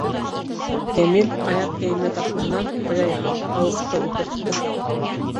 Йәмил аяҡ кейеме тартмаһынан оя яһап тауыҡты ултыртты.